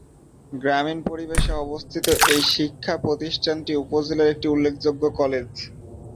গ্রামীণ পরিবেশে অবস্থিত এই শিক্ষা প্রতিষ্ঠানটি উপজেলার একটি উল্লেখযোগ্য কলেজ।